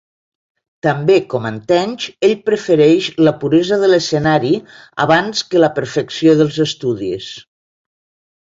També com en Tench, ell prefereix la puresa de l"escenari abans que la perfecció dels estudis.